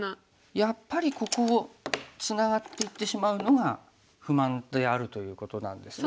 やっぱりここをツナがっていってしまうのが不満であるということなんですね。